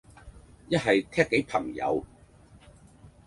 一係 tag 俾朋友